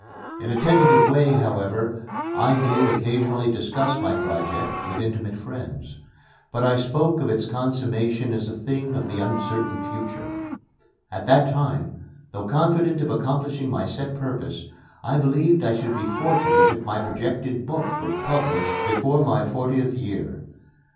In a tentative way, however, I did occasionally discuss my project with intimate friends; but I spoke of its consummation as a thing of the uncertain future. At that time, though confident of accomplishing my set purpose, I believed I should be fortunate if my projected book were published before my fortieth year.